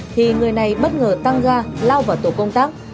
thì người này bất ngờ tăng ga lao vào tổ công tác